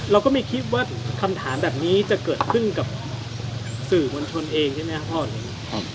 เราก็ไม่คิดว่าคำถามแบบนี้จะเกิดขึ้นกับสื่อมวลชนเองใช่ไหมครับพ่อนี้